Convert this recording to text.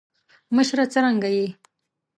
مشره څرنګه یی.